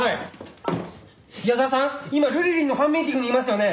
今ルリリンのファンミーティングにいますよね！？